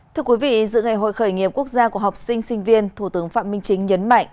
thưa quý vị dự ngày hội khởi nghiệp quốc gia của học sinh sinh viên thủ tướng phạm minh chính nhấn mạnh